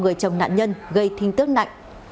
người chồng nạn nhân gây thinh tước nặng